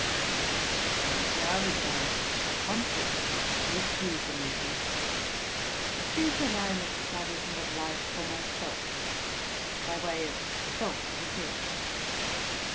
I was now resolved, contrary to his views and wishes, to choose a line of ,studies and of life for myself, by way of self defence.